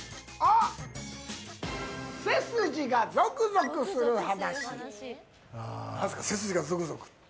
背筋がゾクゾクする話。